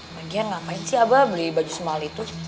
bahagia ngapain sih abah beli baju semal itu